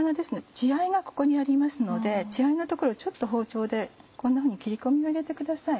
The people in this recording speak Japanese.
血合いがここにありますので血合いの所を包丁でこんなふうに切り込みを入れてください。